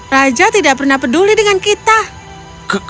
raja tidak pernah peduli dengan kita